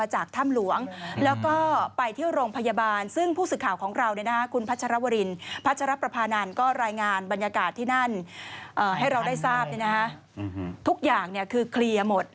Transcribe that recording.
ให้เราได้ทราบทุกอย่างคือเคลียร์หมด